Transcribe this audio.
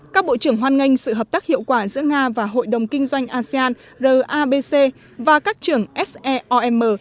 các bộ trưởng hoan nghênh sự hợp tác hiệu quả giữa nga và hội đồng kinh doanh asean rabc và các trưởng seom